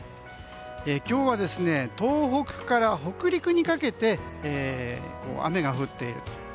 今日は東北から北陸にかけて雨が降っていると。